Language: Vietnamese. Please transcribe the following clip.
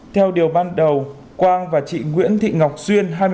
theo điều ban đầu quang và chị nguyễn thị ngọc xuyên